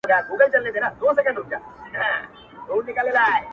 له نیکونو او له لویو استادانو -